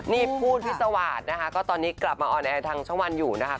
นี่พูดพิสวาสนะคะก็ตอนนี้กลับมาออนแอร์ทางช่องวันอยู่นะคะ